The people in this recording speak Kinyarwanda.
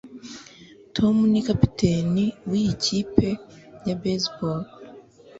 tom ni kapiteni wiyi kipe ya baseball